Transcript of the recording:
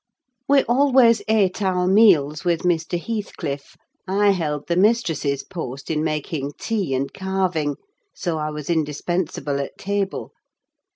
We always ate our meals with Mr. Heathcliff. I held the mistress's post in making tea and carving; so I was indispensable at table.